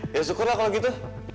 ya syukurlah kalau gitu